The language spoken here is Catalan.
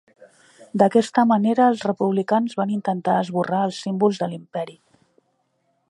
D'aquesta manera, els republicans van intentar esborrar els símbols de l'Imperi.